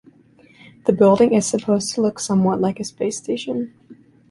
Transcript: The building is supposed to look somewhat like a space station.